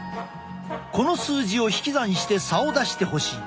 この数字を引き算して差を出してほしい。